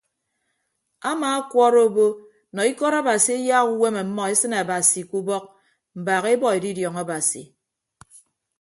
Amaakwọọrọ obo nọ ikọt abasi eyaak uwem ọmmọ esịn abasi ke ubọk mbaak ebọ edidiọñ abasi.